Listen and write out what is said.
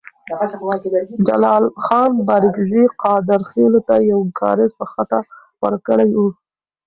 جلال خان بارکزی قادرخیلو ته یو کارېز په خټه ورکړی وو.